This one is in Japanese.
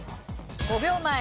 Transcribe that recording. ５秒前。